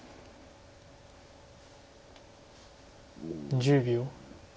１０秒。